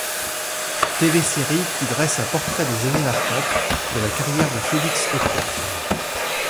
Télésérie qui dresse un portrait des années marquantes de la carrière de Félix Leclerc.